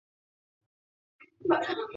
天城文又称天城体。